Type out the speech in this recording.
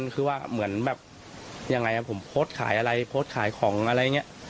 คือว่าเหมือนแบบยังไงผมโพสต์ขายอะไรโพสต์ขายของอะไรอย่างนี้